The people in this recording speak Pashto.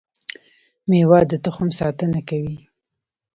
مېوه د تخم ساتنه کوي